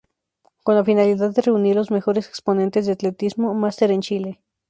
Con la finalidad de reunir los mejores exponentes de atletismo Máster en Chile.